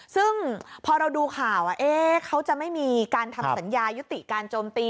ซึ่งพอเราดูข่าวเขาจะไม่มีการทำสัญญายุติการโจมตี